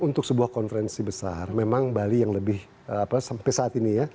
untuk sebuah konferensi besar memang bali yang lebih apa sampai saat ini ya